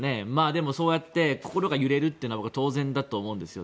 でも、そうやって心が揺れるというのは当然だと思うんですよ。